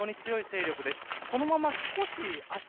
大型で非常に強い勢力です。